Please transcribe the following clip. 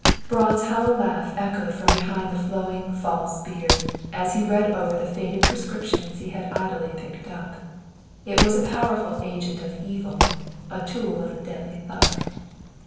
Braun's hollow laugh echoed from behind the flowing false beard, as he read over the faded prescriptions he had idly picked up. It was a powerful agent of evil a tool of the deadly thug.